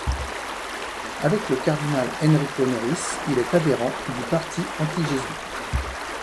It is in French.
Avec le cardinal Enrico Noris, il est adhérent du parti anti-jésuite.